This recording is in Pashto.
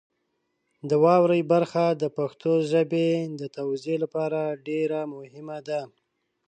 د واورئ برخه د پښتو ژبې د توزیع لپاره ډېره مهمه ده.